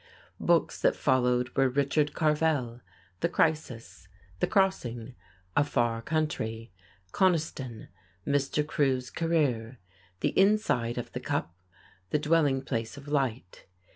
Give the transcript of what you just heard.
Books that followed were, "Richard Carvel," "The Crisis," "The Crossing," "A Far Country," "Coniston," "Mr. Crewe's Career," "The Inside of the Cup," "The Dwelling Place of Light."